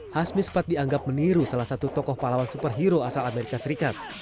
hasmi sempat dianggap meniru salah satu tokoh pahlawan superhero asal amerika serikat